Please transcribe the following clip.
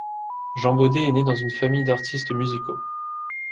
Jean Beaudet est né dans une famille d’artistes musicaux.